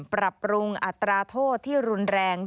ปรับปรุงอัตราโทษที่รุนแรง